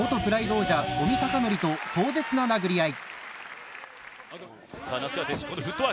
王者五味隆典と壮絶な殴り合い。